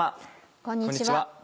こんにちは。